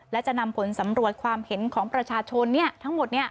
และจะนำผลสำรวจความเห็นของประชาชนทั้งหมด